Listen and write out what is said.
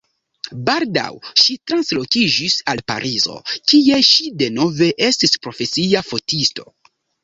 Baldaŭ ŝi translokiĝis al Parizo, kie ŝi denove estis profesia fotisto.